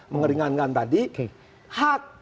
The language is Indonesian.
mengeringankan tadi hak